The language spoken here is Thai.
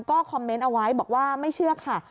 ก็คอมเมนต์เอาไว้บอกว่าไม่เชื่อค่ะ